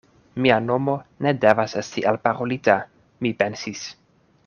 Mia nomo ne devas esti elparolita, mi pensis.